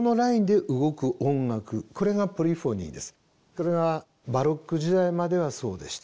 これがバロック時代まではそうでした。